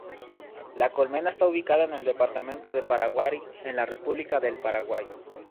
La Colmena está ubicada en el departamento de Paraguarí en la República del Paraguay.